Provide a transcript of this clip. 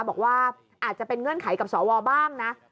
บอกว่าอาจจะเป็นเงื่อนไขกับสวบ้างนะ